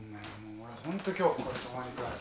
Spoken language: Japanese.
俺ホント今日ここで泊まりかよ。